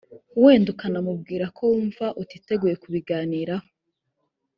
wenda ukanamubwira ko wumva utiteguye kubiganiraho